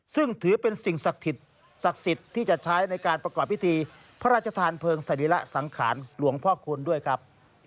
ซึ่งถือเป็นสิ่งศักดิ์สิทธิ์ที่จะใช้ในการประกอบพิธีพระราชทานเพลิงสรีระสังขารหลวงพ่อคูณด้วยครับ